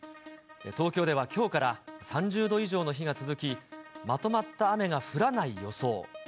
東京ではきょうから３０度以上の日が続き、まとまった雨が降らない予想。